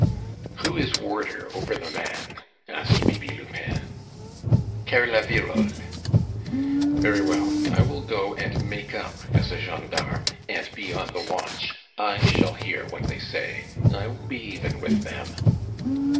"Who is warder over the man?" asked Bibi Lupin. "Coeur la Virole." "Very well, I will go and make up as a gendarme, and be on the watch; I shall hear what they say. I will be even with them."